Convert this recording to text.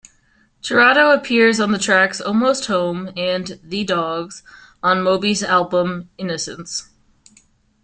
Jurado appears on the tracks "Almost Home" and "The Dogs" on Moby's album "Innocents".